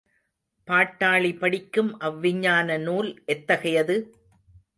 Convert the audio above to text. பாட்டாளி படிக்கும் அவ் விஞ்ஞான நூல் எத்தகையது?